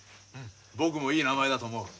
僕もいい名前だと思う。